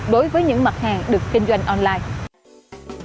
đối với những mặt hàng được kinh doanh online